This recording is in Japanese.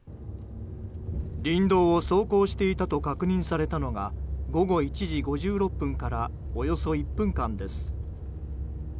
林道を走行していたと確認されたのが午後１時５６分からおよそ１分間です。